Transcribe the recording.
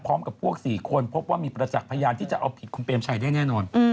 พวก๔คนพบว่ามีประจักษ์พยานที่จะเอาผิดคุณเปรมชัยได้แน่นอน